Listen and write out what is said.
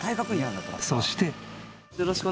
そして。